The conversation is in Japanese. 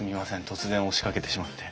突然押しかけてしまって。